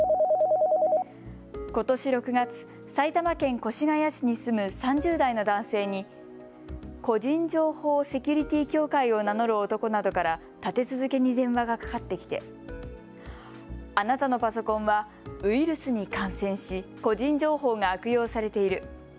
ことし６月、埼玉県越谷市に住む３０代の男性に個人情報セキュリティ協会を名乗る男などから立て続けに電話がかかってきてあなたのパソコンはウイルスに感染し個人情報が悪用されている。